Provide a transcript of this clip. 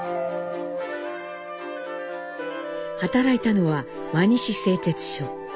働いたのは輪西製鉄所。